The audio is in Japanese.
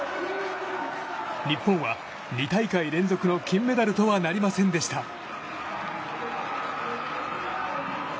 日本は２大会連続の金メダルとはなりませんでした。